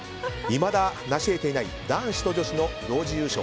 いまだなしえていない男子と女子の同時優勝。